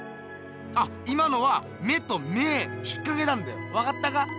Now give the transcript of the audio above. あっ今のは目と芽引っかけたんだよわかったか？